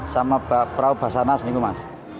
sama perahu bahasa nasi ini mas